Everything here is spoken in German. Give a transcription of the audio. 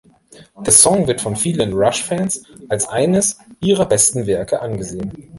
Der Song wird von vielen Rush-Fans als eines ihrer besten Werke angesehen.